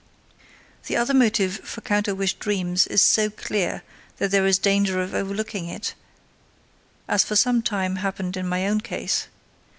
The other motive for counter wish dreams is so clear that there is danger of overlooking it, as for some time happened in my own case.